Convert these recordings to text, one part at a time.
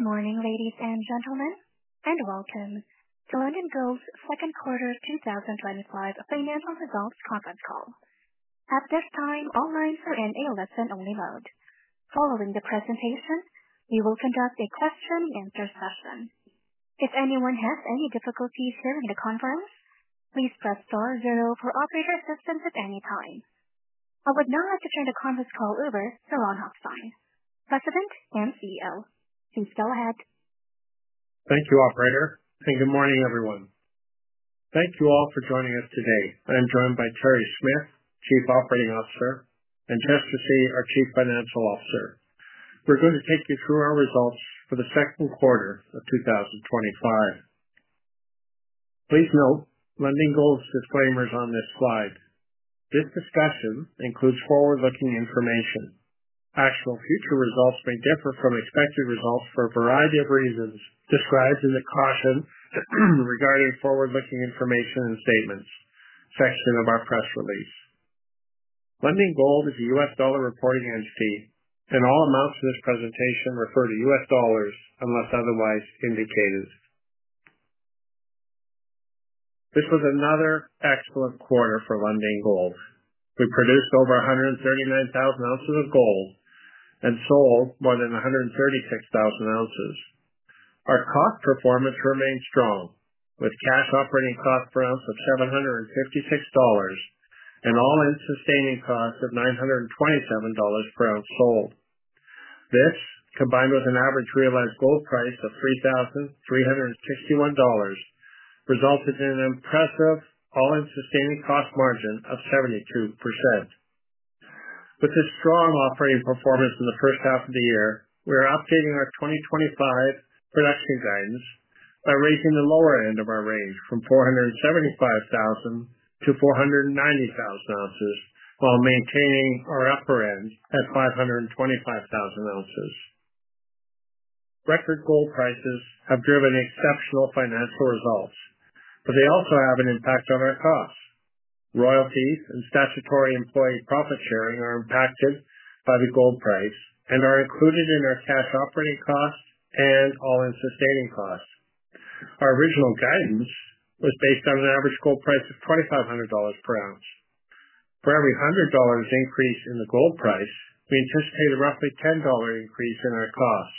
Good morning, ladies and gentlemen, and welcome to Lundin Gold's Fourth Quarter 2025 Finance and Results Conference Call. At this time, all lines are in a listen-only mode. Following the presentation, we will conduct a question-and-answer session. If anyone has any difficulties during the conference, please press star zero for operator assistance at any time. I would now like to turn the conference call over to Ron Hochstein, President and CEO. Please go ahead. Thank you, Operator, and good morning, everyone. Thank you all for joining us today. I am joined by Terry Smith, Chief Operating Officer, and Jeff Hussey, our Chief Financial Officer. We're going to take you through our results for the second quarter of 2025. Please note Lundin Gold's disclaimers on this slide. This discussion includes forward-looking information. Actual future results may differ from expected results for a variety of reasons described in the caution regarding forward-looking information and statements, section of our press release. Lundin Gold is a U.S. dollar reporting entity, and all amounts in this presentation refer to U.S. dollars unless otherwise indicated. This was another excellent quarter for Lundin Gold. We produced over 139,000 ounces of gold and sold more than 136,000 ounces. Our cost performance remained strong, with a cash operating cost per ounce of $756 and an all-in sustaining cost of $927 per ounce sold. This, combined with an average realized gold price of $3,361, resulted in an impressive all-in sustaining cost margin of 72%. With this strong operating performance in the first half of the year, we are updating our 2025 production guidance by raising the lower end of our range from 475,000-490,000 ounces, while maintaining our upper end at 525,000 ounces. Record gold prices have driven exceptional financial results, but they also have an impact on our costs. Royalties and statutory employee profit sharing are impacted by the gold price and are included in our cash operating costs and all-in sustaining costs. Our original guidance was based on an average gold price of $2,500 per ounce. For every $100 increase in the gold price, we anticipate a roughly $10 increase in our costs.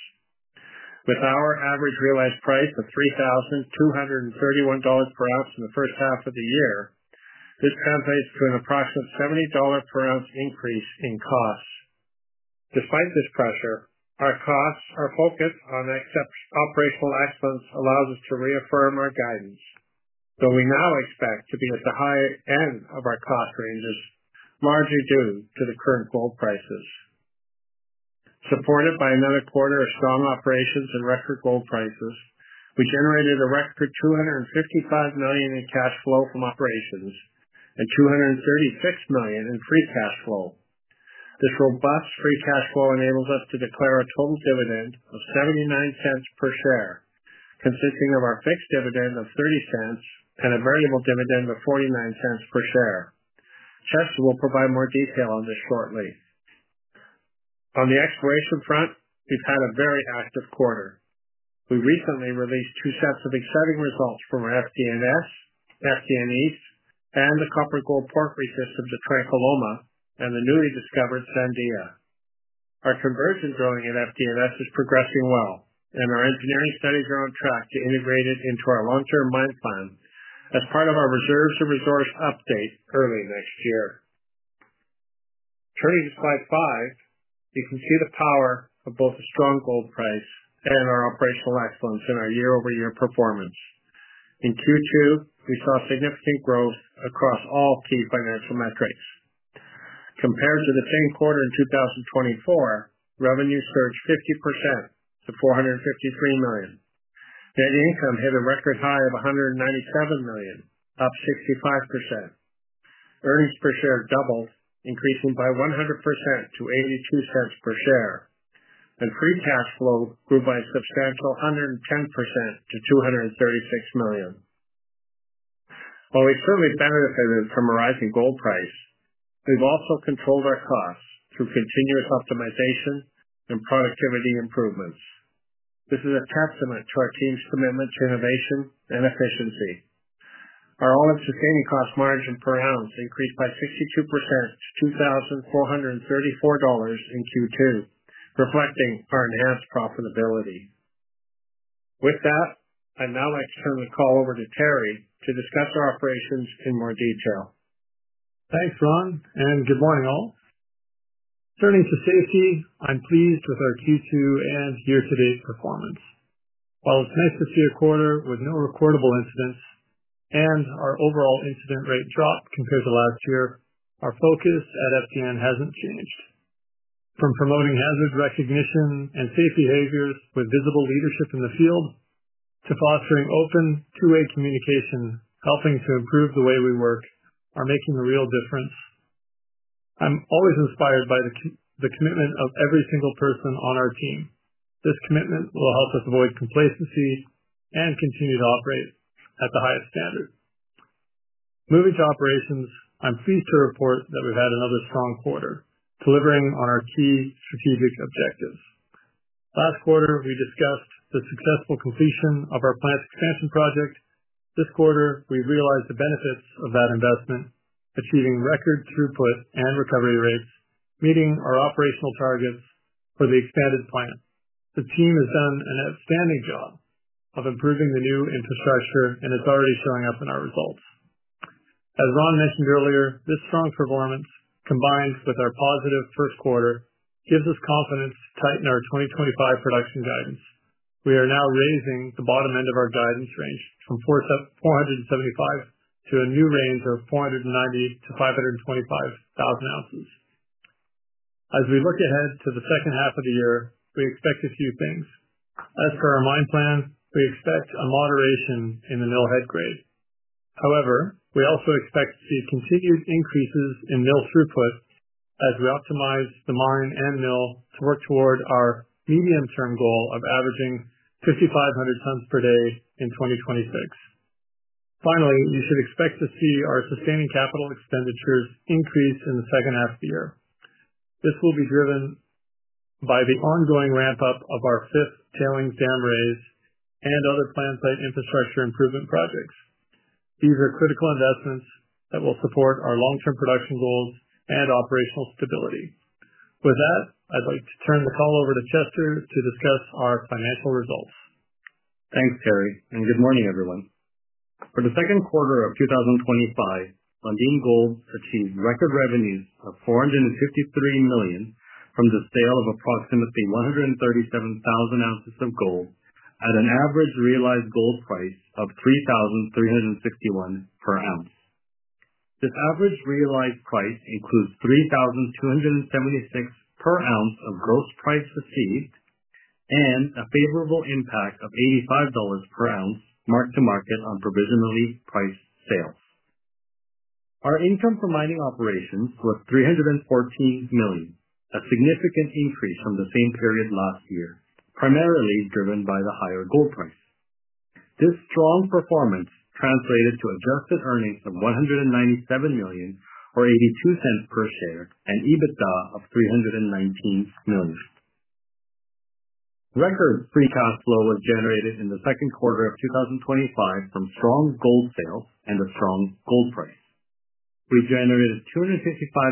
With our average realized price of $3,231 per ounce in the first half of the year, this translates to an approximate $70 per ounce increase in costs. Despite this pressure, our costs are focused on exceptional operational excellence, allowing us to reaffirm our guidance, though we now expect to be at the higher end of our cost ranges, largely due to the current gold prices. Supported by another quarter of strong operations and record gold prices, we generated a record $255 million in cash flow from operations and $236 million in free cash flow. This robust free cash flow enables us to declare a total dividend of $0.79 per share, consisting of our fixed dividend of $0.30 and a variable dividend of $0.49 per share. Jeff will provide more detail on this shortly. On the exploration front, we've had a very active quarter. We recently released two sets of exciting results from our FDNS, FDN East, and the copper-gold porphyry corridor of the Trancaloma, and the newly discovered Sandia. Our conversion drilling in FDNS is progressing well, and our engineering studies are on track to integrate it into our long-term mine plan as part of our reserves to resource updates early next year. Turning to slide five, you can see the power of both a strong gold price and our operational excellence in our year-over-year performance. In Q2, we saw significant growth across all key financial metrics. Compared to the same quarter in 2024, revenues surged 50% to $453 million. Net income hit a record high of $197 million, up 65%. Earnings per share doubled, increasing by 100% to $0.82 per share, and free cash flow grew by a substantial 110% to $236 million. While we've clearly benefited from a rising gold price, we've also controlled our costs through continuous optimization and productivity improvements. This is a testament to our team's commitment to innovation and efficiency. Our all-in sustaining cost margin per ounce increased by 62% to $2,434 in Q2, reflecting our enhanced profitability. With that, I'd now like to turn the call over to Terry to discuss our operations in more detail. Thanks, Ron, and good morning all. Turning to safety, I'm pleased with our Q2 and year-to-date performance. While it's an S&Q quarter with no recordable incidents and our overall incident rate dropped compared to last year, our focus at FDNS hasn't changed. From promoting hazard recognition and safety behaviors with visible leadership in the field to fostering open two-way communication, helping to improve the way we work, are making a real difference. I'm always inspired by the commitment of every single person on our team. This commitment will help us avoid complacency and continue to operate at the highest standard. Moving to operations, I'm pleased to report that we've had another strong quarter, delivering on our key strategic objectives. Last quarter, we discussed the successful completion of our plant expansion project. This quarter, we realized the benefits of that investment, achieving record throughput and recovery rates, meeting our operational targets for the expanded plant. The team has done an outstanding job of improving the new infrastructure, and it's already showing up in our results. As Ron mentioned earlier, this strong performance, combined with our positive first quarter, gives us confidence to tighten our 2025 production guidance. We are now raising the bottom end of our guidance range from 475 to a new range of 490 to 525,000 ounces. As we look ahead to the second half of the year, we expect a few things. As for our mine plan, we expect a moderation in the mill head grade. However, we also expect to see continued increases in mill throughput as we optimize the mine and mill to work toward our medium-term goal of averaging 5,500 tons per day in 2026. Finally, we should expect to see our sustaining capital expenditures increase in the second half of the year. This will be driven by the ongoing ramp-up of our fifth tailings dam raise and other plant-based infrastructure improvement projects. These are critical investments that will support our long-term production goals and operational stability. With that, I'd like to turn the call over to Chester to discuss our financial results. Thanks, Terry, and good morning, everyone. For the second quarter of 2025, Lundin Gold achieved record revenues of $453 million from the sale of approximately 137,000 ounces of gold at an average realized gold price of $3,361 per ounce. This average realized price includes $3,276 per ounce of gross price received and a favorable impact of $85 per ounce marked to market on provision release price sales. Our income from mining operations was $314 million, a significant increase from the same period last year, primarily driven by the higher gold price. This strong performance translated to adjusted earnings of $197 million or $0.82 per share and EBITDA of $319 million. Record free cash flow was generated in the second quarter of 2025 from strong gold sales and a strong gold price. We generated $255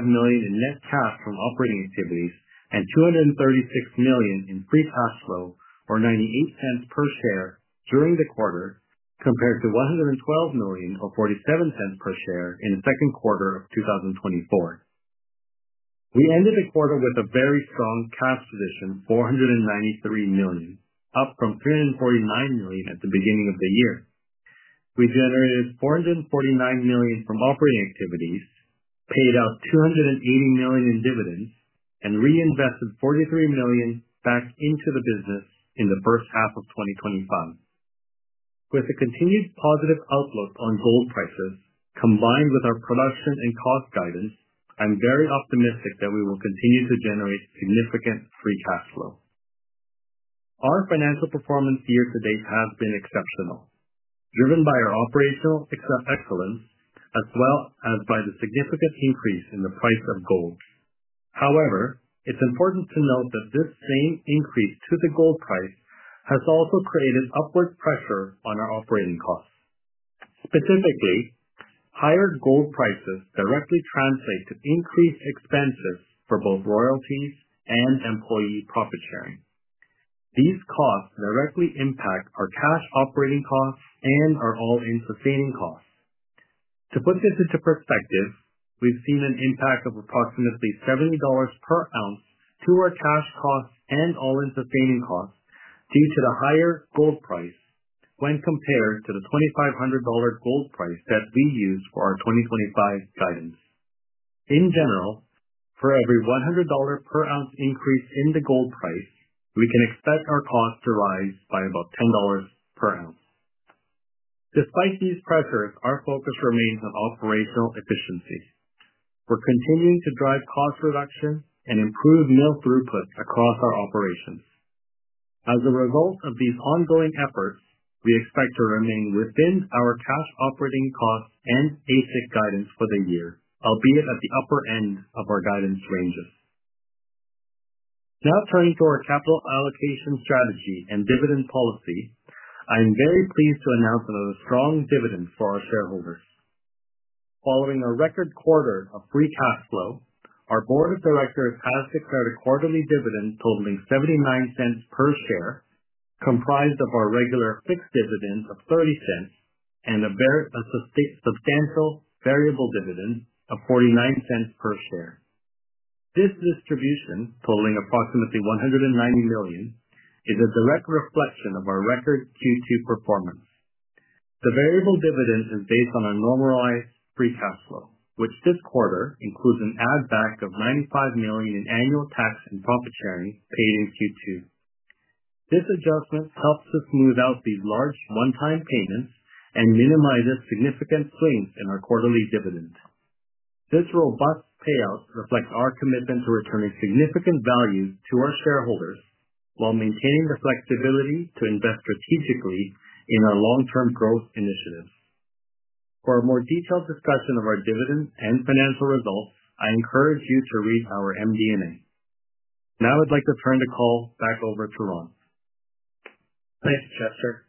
million in net cash from operating activities and $236 million in free cash flow or $0.98 per share during the quarter, compared to $112 million or $0.47 per share in the second quarter of 2024. We ended the quarter with a very strong cash position, $493 million, up from $349 million at the beginning of the year. We generated $449 million from operating activities, paid out $280 million in dividends, and reinvested $43 million back into the business in the first half of 2025. With a continued positive outlook on gold prices, combined with our production and cost guidance, I'm very optimistic that we will continue to generate significant free cash flow. Our financial performance year to date has been exceptional, driven by our operational excellence as well as by the significant increase in the price of gold. However, it's important to note that this same increase to the gold price has also created upward pressure on our operating costs. Specifically, higher gold prices directly translate to increased expenses for both royalties and employee profit sharing. These costs directly impact our cash operating costs and our all-in sustaining costs. To put this into perspective, we've seen an impact of approximately $70 per ounce to our cash costs and all-in sustaining costs due to the higher gold price when compared to the $2,500 gold price that we use for our 2025 guidance. In general, for every $100 per ounce increase in the gold price, we can expect our costs to rise by about $10 per ounce. Despite these pressures, our focus remains on operational efficiency. We're continuing to drive cost reduction and improve mill throughput across our operations. As a result of these ongoing efforts, we expect to remain within our cash operating costs and basic guidance for the year, albeit at the upper end of our guidance ranges. Now turning to our capital allocation strategy and dividend policy, I'm very pleased to announce a strong dividend for our shareholders. Following a record quarter of free cash flow, our board of directors has declared a quarterly dividend totaling $0.79 per share, comprised of our regular fixed dividend of $0.30 and a very substantial variable dividend of $0.49 per share. This distribution, totaling approximately $190 million, is a direct reflection of our record Q2 performance. The variable dividend is based on our normalized free cash flow, which this quarter includes an add-back of $95 million in annual tax and profit sharing paid in Q2. This adjustment helps us smooth out these large one-time payments and minimizes significant swings in our quarterly dividend. This robust payout reflects our commitment to returning significant values to our shareholders while maintaining the flexibility to invest strategically in our long-term growth initiatives. For a more detailed discussion of our dividend and financial results, I encourage you to read our MD&A. Now I'd like to turn the call back over to Ron. Thanks, Chester.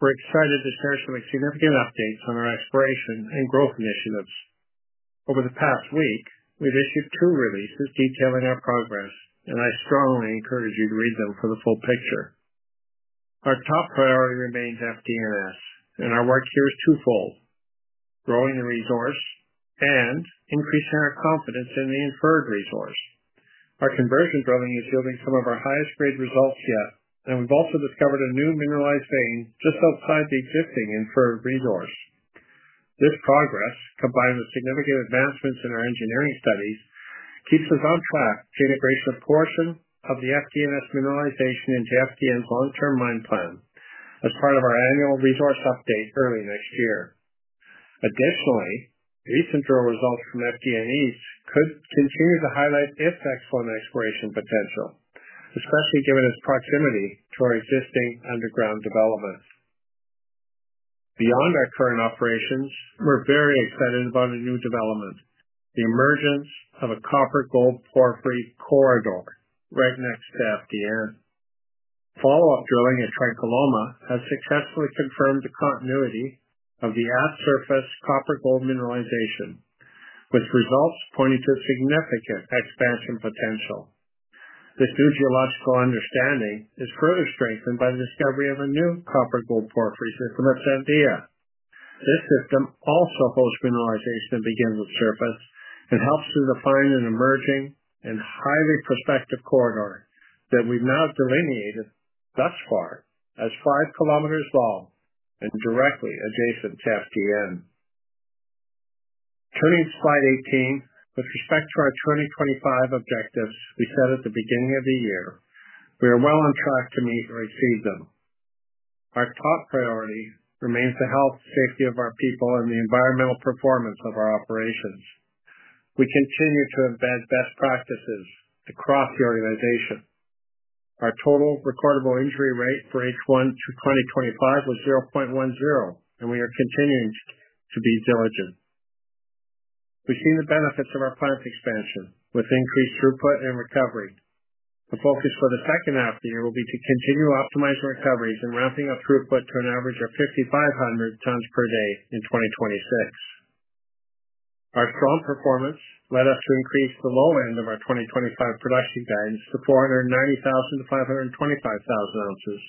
We're excited to share some significant updates on our exploration and growth initiatives. Over the past week, we've issued two releases detailing our progress, and I strongly encourage you to read them for the full picture. Our top priority remains FDNS, and our work here is twofold: growing a resource and increasing our confidence in the inferred resource. Our conversion drilling is yielding some of our highest-grade results yet, and we've also discovered a new mineralized vein just outside the existing inferred resource. This progress, combined with significant advancements in our engineering studies, keeps us on track to integrate a portion of the FDNS mineralization into the FDNS long-term mine plan as part of our annual resource update early next year. Additionally, recent drill results from FDN East could continue to highlight the effects for an exploration potential, especially given its proximity to our existing underground developments. Beyond our current operations, we're very excited about a new development: the emergence of a copper-gold porphyry corridor right next to FDNS. Follow-up drilling at Trancaloma has successfully confirmed the continuity of the at-surface copper-gold mineralization, with results pointing to a significant expansion potential. This geological understanding is further strengthened by the discovery of a new copper-gold porphyry system at Sandia. This system also holds mineralization at the end of the surface and helps to define an emerging and highly prospective corridor that we've now delineated thus far as five kilometers long and directly adjacent to FDNS. Turning to slide 18, with respect to our 2025 objectives we set at the beginning of the year, we are well on track to meet and achieve them. Our top priority remains the health and safety of our people and the environmental performance of our operations. We continue to embed best practices across the organization. Our total recordable injury rate for H1 through 2025 was 0.10, and we are continuing to be diligent. We've seen the benefits of our plant expansion with increased throughput and recovery. The focus for the second half of the year will be to continue optimizing recoveries and ramping up throughput to an average of 5,500 tons per day in 2026. Our strong performance led us to increase the low end of our 2025 production guidance to 490,000 to 525,000 ounces.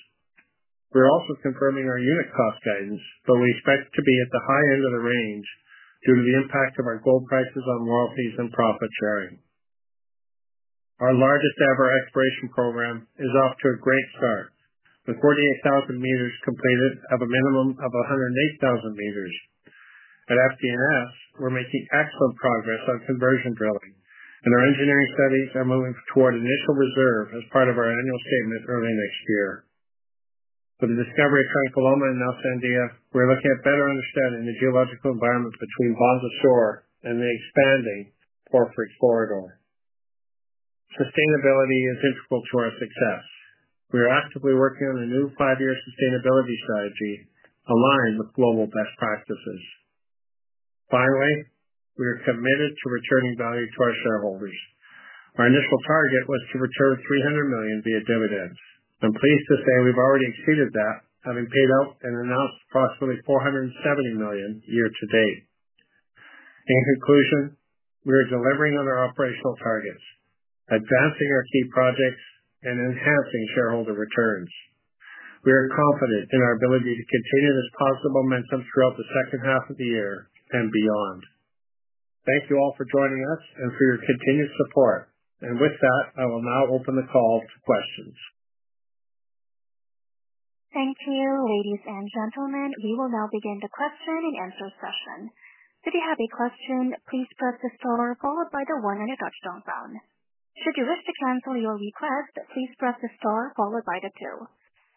We're also confirming our unit cost guidance, but we expect to be at the high end of the range due to the impact of our gold prices on royalties and profit sharing. Our largest ever exploration program is off to a great start, with 48,000 meters completed of a minimum of 108,000 meters. At FDNS, we're making excellent progress on conversion drilling, and our engineering studies are moving toward initial reserve as part of our annual statement early next year. For the discovery of Trancaloma in Sandia, we're looking at better understanding the geological environment between bottom of the shore and the expanding copper-gold porphyry corridor. Sustainability is integral to our success. We are actively working on a new five-year sustainability strategy aligned with global best practices. Finally, we are committed to returning value to our shareholders. Our initial target was to return $300 million via dividends. I'm pleased to say we've already exceeded that, having paid out an amount of approximately $470 million year to date. In conclusion, we are delivering on our operational targets, advancing our key projects, and enhancing shareholder returns. We are confident in our ability to continue this positive momentum throughout the second half of the year and beyond. Thank you all for joining us and for your continued support. I will now open the call to questions. Thank you, ladies and gentlemen. We will now begin the question-and-answer session. To have a question, please press the star followed by the one in the touch-tone zone. Should you wish to cancel your request, please press the star followed by the two.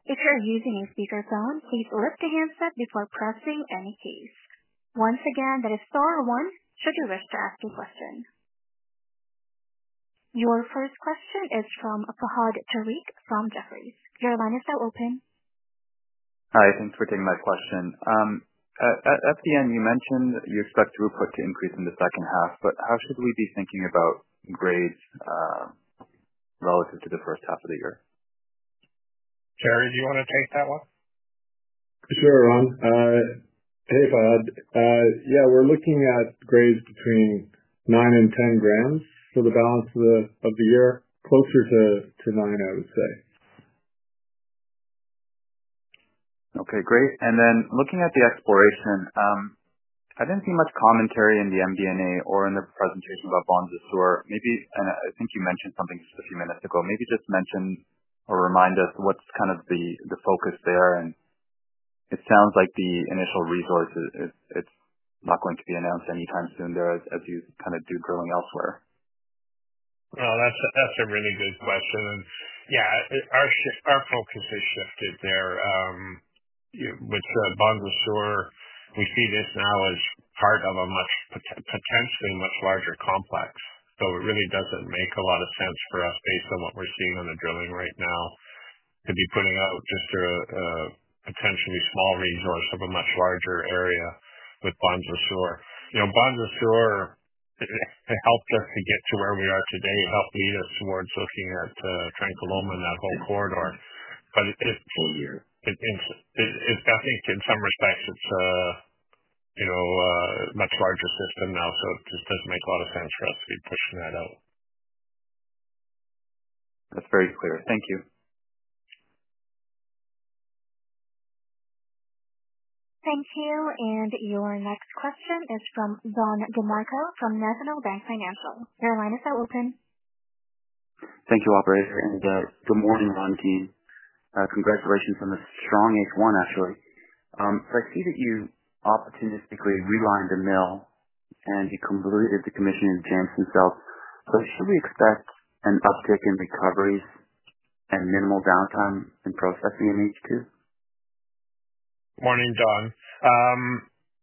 If you're using a speakerphone, please lift your handset before pressing any keys. Once again, that is star one should you wish to ask a question. Your first question is from Fahad Tariq from Jefferies. Your line is now open. Hi, thanks for taking my question. At FDNS, you mentioned your stock throughput to increase in the second half, but how should we be thinking about grades relative to the first half of the year? Terry, do you want to take that one? Sure, Ron. Hey, Fahad. Yeah, we're looking at grades between 9 and 10 grams. The balance of the year is closer to 9, I would say. Okay, great. Looking at the exploration, I didn't see much commentary in the MD&A or in the presentation about bonds this year. Maybe, and I think you mentioned something just a few minutes ago, maybe just mention or remind us what's kind of the focus there. It sounds like the initial resources, it's not going to be announced anytime soon. There are a few kind of dew drilling elsewhere. That's a really good question. Our focus has shifted there. With the bonds this year, we see this now as part of a potentially much larger complex. It really doesn't make a lot of sense for us based on what we're seeing on the drilling right now to be putting out just a potentially small resource of a much larger area with bonds this year. Bonds this year helped us to get to where we are today. It helped lead us towards looking at Trancaloma and that whole corridor. It's a full year. In some respects, it's a much larger system now. It just doesn't make a lot of sense for us to be pushing that out. That's very clear. Thank you. Thank you. Your next question is from Don DeMarco from National Bank Financial. Your line is now open. Thank you, Operator. Good morning, Ron team. Congratulations on the strong H1, actually. I see that you opportunistically realigned the mill and you completed the commissioning of the jams themselves. Should we expect an uptick in recoveries and minimal downtime in processing in H2? Morning, Don.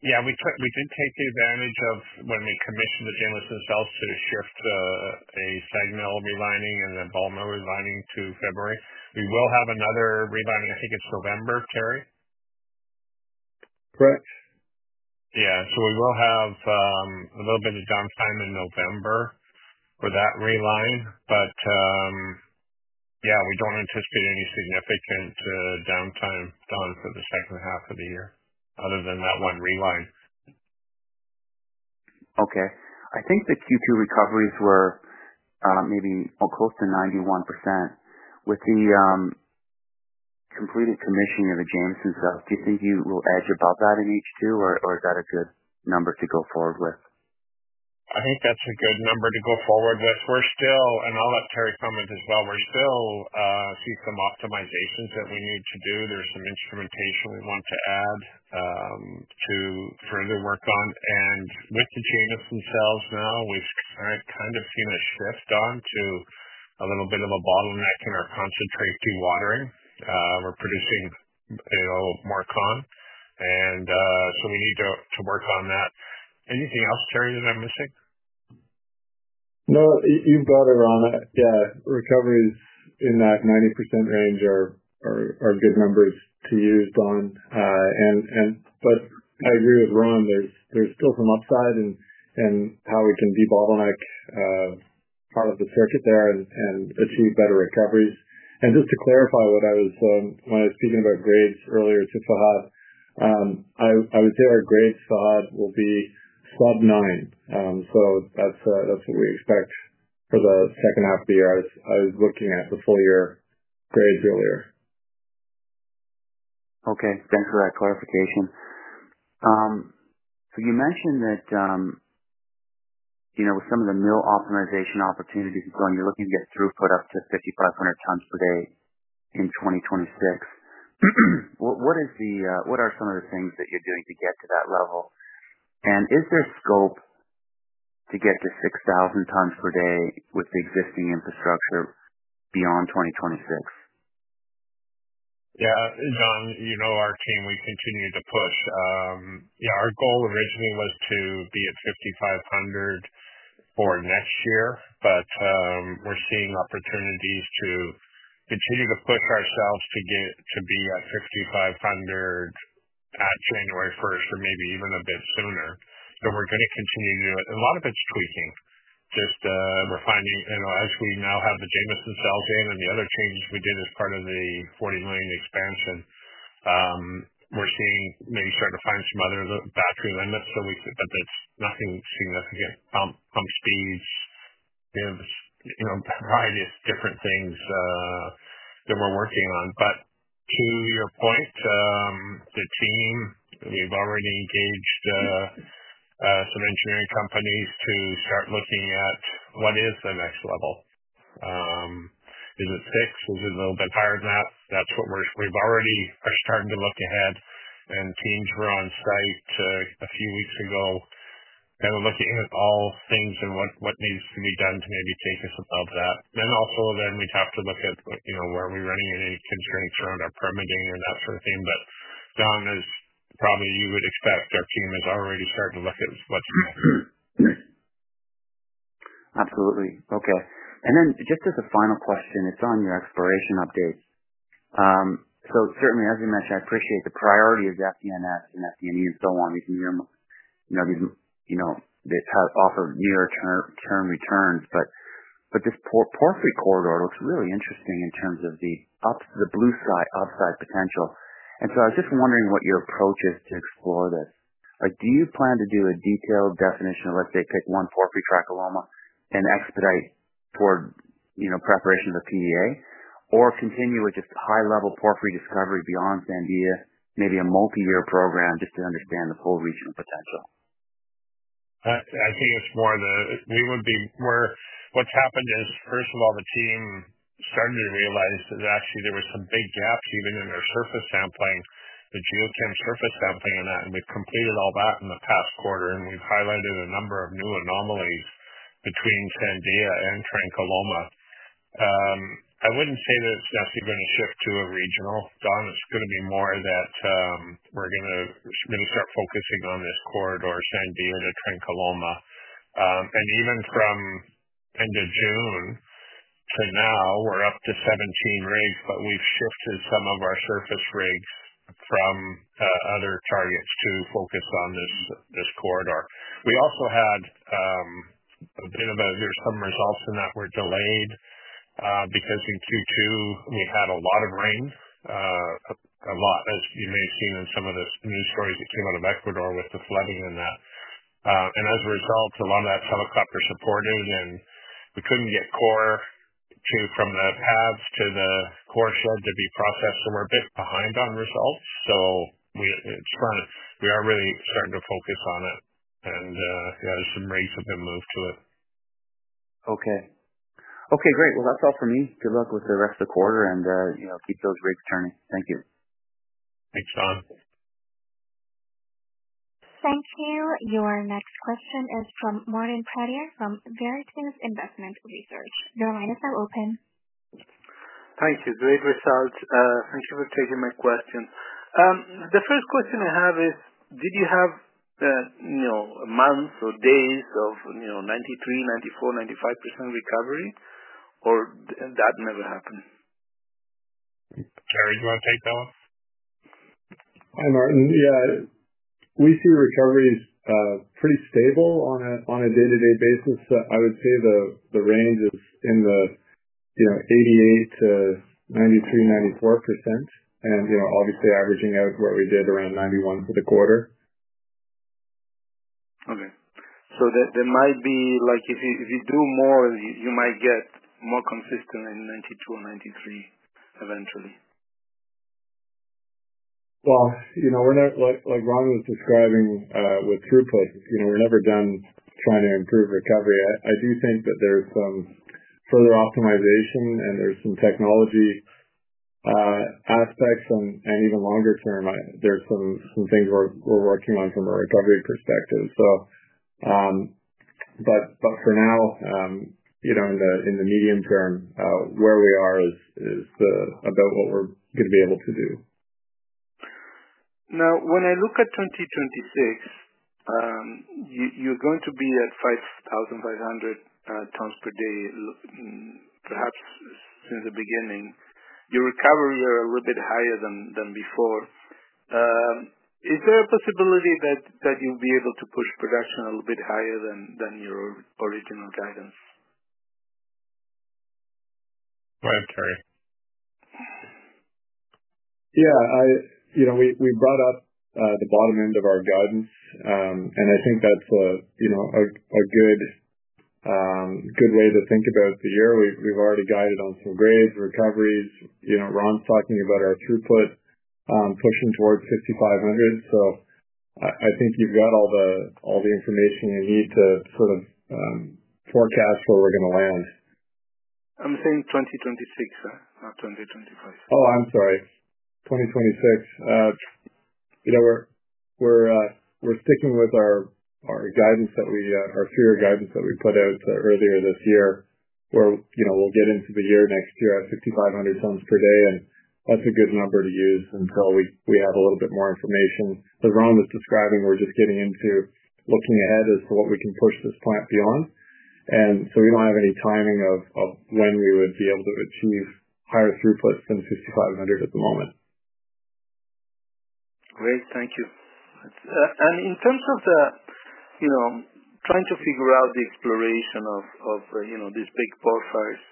Yeah, we did take the advantage of when the commission of the jams themselves to shift a stagnant mill relining and then ball mill relining to February. We will have another relining, I think it's November, Terry? Correct. Yeah, we will have a little bit of downtime in November for that reline. We don't anticipate any significant downtime, Don, for the second half of the year other than that one reline. Okay. I think the Q2 recoveries were maybe close to 91%. With the completed commissioning of the jams themselves, do you think you will edge above that in H2, or is that a good number to go forward with? I think that's a good number to go forward with. We're still, and I'll let Terry comment as well, we're still seeing some optimizations that we need to do. There's some instrumentation we want to add to further work on. With the jams themselves now, we've kind of seen a shift onto a little bit of a bottleneck in our concentrate dewatering. We're producing, you know, more con, and so we need to work on that. Anything else, Terry, that I'm missing? No, you've got it, Ron. Yeah, recoveries in that 90% range are good numbers to use, Don. I agree with Ron, there's still some upside in how we can de-bottleneck part of the circuit there and achieve better recoveries. Just to clarify, when I was speaking about grades earlier to Fahad, I would say our grades, Fahad, will be sub-9. That's what we expect for the second half of the year. I was looking at the full-year grades earlier. Okay. Thanks for that clarification. You mentioned that, you know, with some of the mill optimization opportunities going, you're looking to get throughput up to 5,500 tons per day in 2026. What are some of the things that you're doing to get to that level? Is there scope to get to 6,000 tons per day with the existing infrastructure beyond 2026? Yeah, Don, you know our team, we continue to push. Yeah, our goal originally was to be at 5,500 for next year, but we're seeing opportunities to continue to push ourselves to get to be at 5,500 at January 1 or maybe even a bit sooner. We're going to continue to do it. A lot of it's tweaking. We're finding, you know, as we now have the jams themselves in and the other changes we did as part of the $40 million expansion, we're seeing maybe start to find some other battery limits, but we could, but there's nothing significant. Pump speeds, you know, a variety of different things that we're working on. To your point, the team, we've already engaged some engineering companies to start looking at what is the next level. Is it six? Is it a little bit higher than that? That's what we're, we've already started to look ahead. Teams were on site a few weeks ago, kind of looking at all things and what needs to be done to maybe take us above that. We would have to look at, you know, where are we running any constraints around our permitting and that sort of thing. Don, as probably you would expect, our team is already starting to look at what's next. Absolutely. Okay. Just as a final question, it's on your exploration updates. As we mentioned, I appreciate the priority of FDNS and FDN East and so on. We can hear them, they've had offered near-term returns, but this copper-gold porphyry corridor looks really interesting in terms of the upside potential. I was just wondering what your approach is to explore this. Do you plan to do a detailed definition of, let's say, pick one porphyry for Trancaloma and expedite toward preparation of the PEA, or continue with just high-level porphyry discovery beyond Sandia, maybe a multi-year program just to understand the full regional potential? I think it's more of the, it would be, what's happened is, first of all, the team started to realize that actually there were some big gaps even in their surface sampling, the geochem surface sampling, and we've completed all that in the past quarter, and we've highlighted a number of new anomalies between Sandia and Trancaloma. I wouldn't say that it's definitely been a shift to a regional. Don, it's going to be more that we're going to start focusing on this corridor, Sandia to Trancaloma. Even from end of June to now, we're up to 17 rigs, but we've shifted some of our surface rigs from other targets to focus on this corridor. We also had, I'm going to mention some results that were delayed, because in Q2, we had a lot of rain. You may have seen in some of the news stories that came out of Ecuador with the flooding. As a result, a lot of that's helicopter supported, and we couldn't get core from the haves to the core shed to be processed, so we're a bit behind on results. It's fun. We are really starting to focus on it, and, yeah, some rigs have been moved to it. Okay, great. That's all for me. Good luck with the rest of the quarter, and, you know, keep those rigs churning. Thank you. Thanks, Don. Thank you. Your next question is from Martin Pradier from Veritas Investment Research. Your line is now open. Thanks. It's great to be with Charles. Thank you for taking my question. The first question I have is, did you have months or days of 93%, 94%, 95% recovery, or that never happened? Terry, do you want to take that one? Hi Martin. We see recoveries pretty stable on a day-to-day basis. I would say the range is in the 88%-93%, 94% range, obviously averaging out what we did around 91% for the quarter. Okay. There might be, like if you do more, you might get more consistent in 92 or 93 eventually? We're not like Ron was describing, with throughput. We've never done finite improved recovery. I do think that there's some further optimization, and there's some technology aspects, and even longer term, there's some things we're working on from a recovery perspective. For now, in the medium term, where we are is about what we're going to be able to do. Now, when I look at 2026, you're going to be at 5,500 tons per day in perhaps since the beginning. Your recovery there is a little bit higher than before. Is there a possibility that you'll be able to push production a little bit higher than your original guidance? Go ahead, Terry. Yeah, we brought up the bottom end of our guidance, and I think that's a good way to think about the year. We've already guided on some grades, recoveries. Ron's talking about our throughput, pushing towards 5,500. I think you've got all the information you need to sort of forecast where we're going to land. I'm saying 2026, not 2025. Oh, I'm sorry. 2026. We're sticking with our guidance, our three-year guidance that we put out earlier this year, where we'll get into the year next year at 5,500 tons per day, and that's a good number to use until we have a little bit more information. As Ron was describing, we're just getting into looking ahead as to what we can push this plant beyond. We don't have any timing of when we would be able to achieve higher throughputs than 5,500 at the moment. Great. Thank you. In terms of trying to figure out the exploration of these big porphyries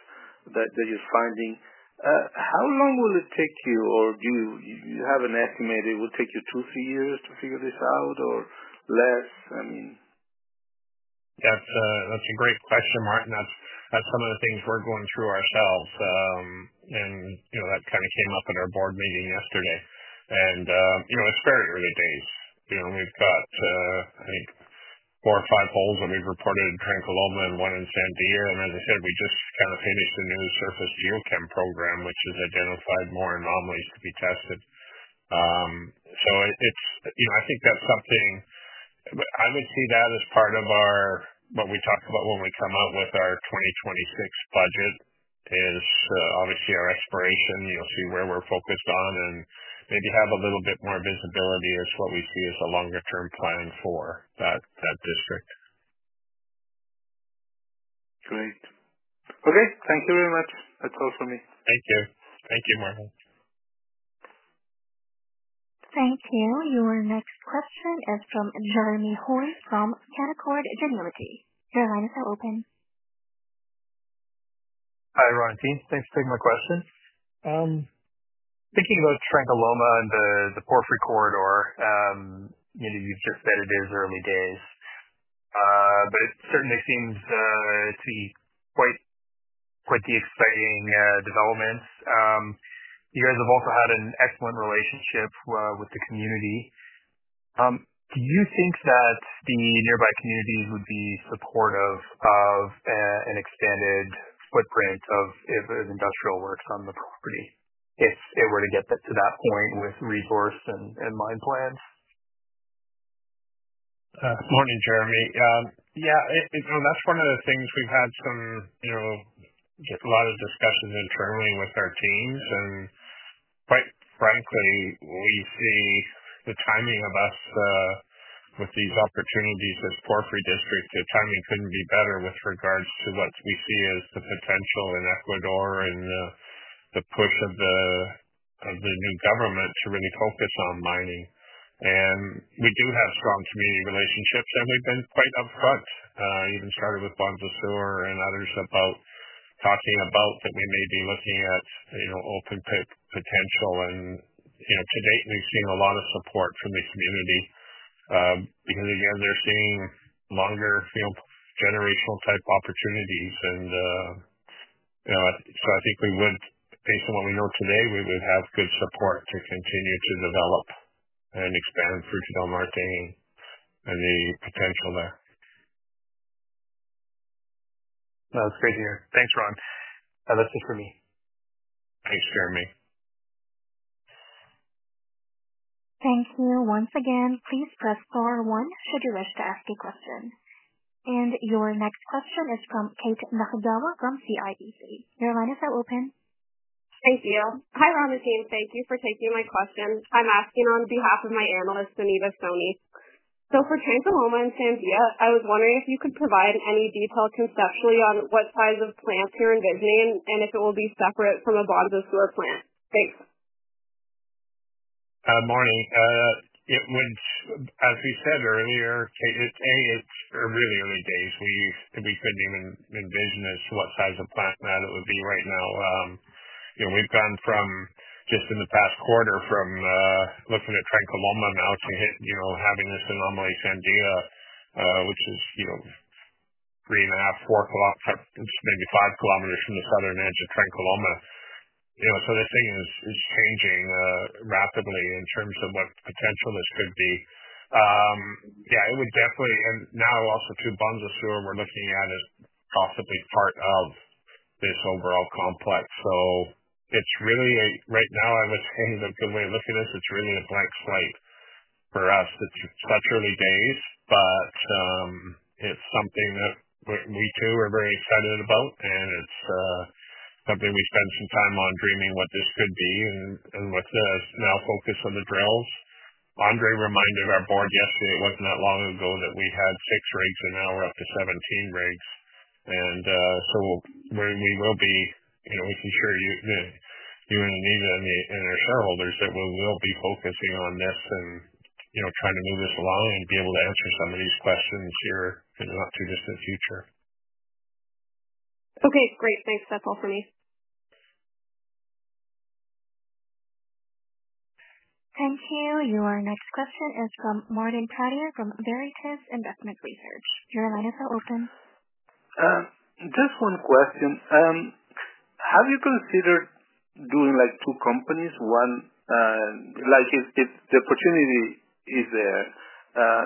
that you're finding, how long will this take you? Do you have an estimate it would take you two, three years to figure this out or less? I mean. Yeah, that's a great question, Martin. That's some of the things we're going through ourselves. You know, that kind of came up in our board meeting yesterday. It's very early days. We've got, I think, four or five holes that we've reported in Trancaloma and one in Sandia. As I said, we just kind of finished the new careful geochem program, which has identified more anomalies to be tested. I think that's something I would see as part of what we talk about when we come out with our 2026 budget, obviously our exploration. You'll see where we're focused on and maybe have a little bit more visibility as to what we see as a longer-term plan for that district. Great. Okay. Thank you very much. That's all for me. Thank you. Thank you, Martin. Thank you. Your next question is from Jeremy Hoy from Canaccord Genuity. Your line is now open. Hi, Ron, team. Thanks for taking my question. Thinking about Trancaloma and the copper-gold porphyry corridor, you know, you just said it is early days, but it certainly seems to be quite the exciting development. You guys have also had an excellent relationship with the community. Do you think that the nearby communities would be supportive of an expanded footprint of industrial works on the property if it were to get to that point with resource and mine plans? Morning, Jeremy. Yeah, you know, that's one of the things we've had a lot of discussion internally with our teams. Quite frankly, we see the timing of us, with these opportunities with porphyry districts, the timing couldn't be better with regards to what we see as the potential in Ecuador and the push of the new government to really focus on mining. We do have strong community relationships, and we've been quite upfront, even started with Bonds of Sewer and others about talking about that we may be looking at open pit potential. To date, we've seen a lot of support from the community, because again, they're seeing longer field generational type opportunities. I think we would, based on what we know today, have good support to continue to develop and expand for Trancaloma and Sandia and the potential there. That was good to hear. Thanks, Ron. That's it for me. Thanks, Jeremy. Thank you. Once again, please press star one for the rest of the questions. Your next question is from Kate Nakagawa from CIBC. Your line is now open. Thank you. Hi, Ron and team. Thank you for taking my question. I'm asking on behalf of my analyst, Anita Soni. For Trancaloma and Sandia, I was wondering if you could provide any detail conceptually on what size of plants you're envisioning and if it will be separate from a Fruta del Norte plant. Thanks. Morning. As we said earlier, it's really early days. We couldn't even envision what size of plant it would be right now. We've gone from just in the past quarter from looking at Trancaloma now to having this anomaly Sandia, which is three and a half, four, maybe five kilometers from the southern edge of Trancaloma. This thing is changing rapidly in terms of what potential this could be. It would definitely, and now also through Bonds of Sewer, we're looking at it possibly as part of this overall complex. Right now, I'm assuming that the way of looking at this, it's really a blank slate for us. It's such early days, but it's something that we too are very excited about. It's something we spent some time on dreaming what this could be. With this now focus on the drills, Andre reminded our board yesterday it wasn't that long ago that we had 6 rigs and now we're up to 17 rigs. We will be making sure you, you and Anita and our shareholders, that we will be focusing on this and trying to move this along and to be able to answer some of these questions here in the not too distant future. Okay, great. Thanks. That's all for me. Your next question is from Martin Pradier from Veritas Investment Research. Your line is now open. Just one question. How do you consider doing like two companies? One, like if the opportunity is there,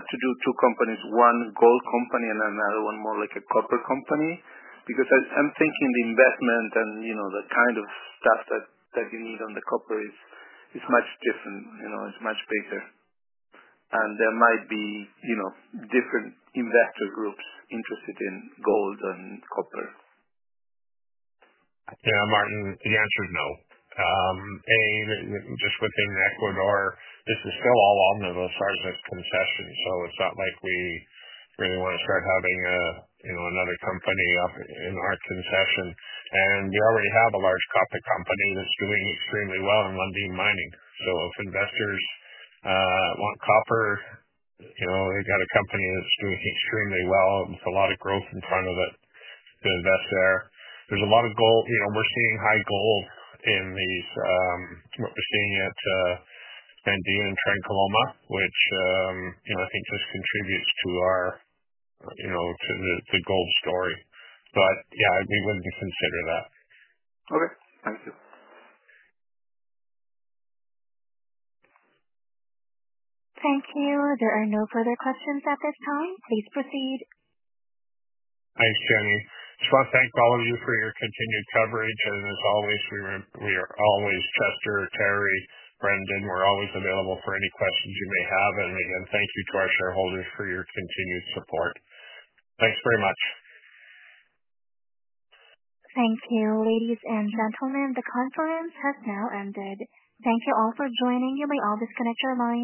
to do two companies, one gold company and another one more like a copper company? I'm thinking the investment and, you know, the kind of stuff that we use on the copper is much different. It's much bigger, and there might be different investor groups interested in gold and copper. Yeah, Martin, the answer is no. Just within Ecuador, this is still all on the most fragmented pool necessity. It's not like we really want to start having another company in our sensation. You already have a large copper company that's doing extremely well in Lundin Mining. If investors want copper, they've got a company that's doing extremely well, and it's a lot of growth in front of it to invest there. There's a lot of gold. We're seeing high gold in these, what we're seeing at Sandia and Trancaloma, which I think just contributes to our, you know, to the gold story. Yeah, we wouldn't consider that. Thank you. There are no further questions at this time. Please proceed. Thanks, Jenny. First, thanks to all of you for your continued coverage. We are always charged to Terry, Brendan. We're always available for any questions you may have. Thank you to our shareholders for your continued support. Thanks very much. Thank you, ladies and gentlemen. The conference has now ended. Thank you all for joining. You may all disconnect your lines.